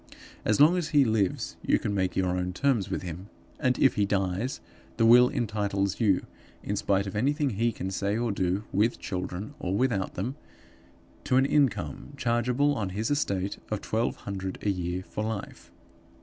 As long as he lives, you can make your own terms with him; and, if he dies, the will entitles you, in spite of anything he can say or do with children or without them to an income chargeable on his estate of twelve hundred a year for life.